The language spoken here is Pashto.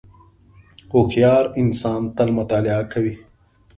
• هوښیار انسان تل مطالعه کوي.